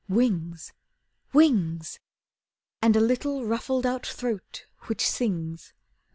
Wings! Wings! And a little ruffled out throat which sings.